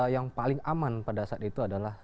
yang paling aman pada saat itu adalah